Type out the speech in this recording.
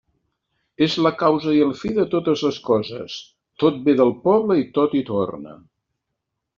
És la causa i el fi de totes les coses; tot ve del poble i tot hi torna.